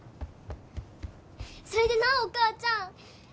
それでなお母ちゃん！